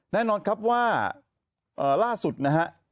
แน่นอนครับว่าล่าสุดนะฮะ